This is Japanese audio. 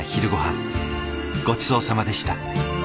ごちそうさまでした。